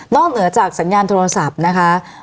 เหนือจากสัญญาณโทรศัพท์นะคะ